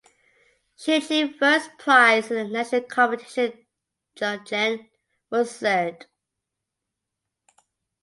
She achieved first prize in the national competition Jugend musiziert.